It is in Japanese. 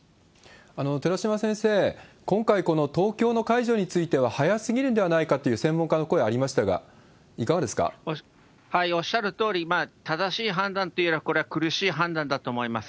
寺嶋先生、今回、この東京の解除については、早すぎるんではないかという専門家の声ありましたが、おっしゃるとおり、正しい判断っていうか、苦しい判断だと思います。